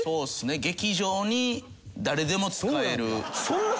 劇場に誰でも使える。